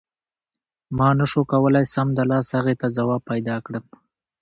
ما نه شو کولای سمدلاسه هغې ته ځواب پیدا کړم.